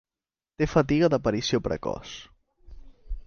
Té fatiga d'aparició precoç.